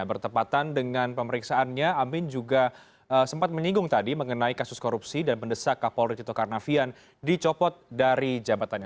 bertepatan dengan pemeriksaannya amin juga sempat menyinggung tadi mengenai kasus korupsi dan mendesak kapolri tito karnavian dicopot dari jabatannya